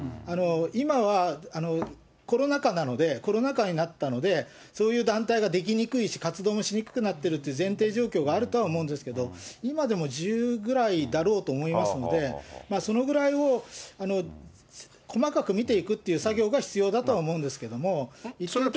今はコロナ禍なので、コロナ禍になったので、そういう団体が出来にくいし、活動もしにくくなっているという前提状況があるとは思うんですけれども、今でも１０ぐらいだろうと思いますので、そのぐらいを細かく見ていくっていう作業が必要だとは思うんです